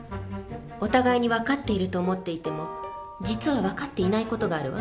お互いに分かっていると思っていても実は分かっていない事があるわ。